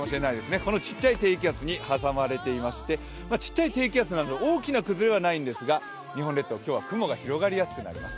この小さい低気圧に挟まれていまして小さい低気圧なので大きな崩れはないんですか日本列島、今日は雲が広がりやすくなります。